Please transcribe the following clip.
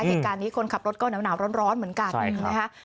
เหตุการณ์นี้คนขับรถก็หนาวร้อนเหมือนกันนะคะ